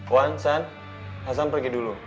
wan san hasan pergi dulu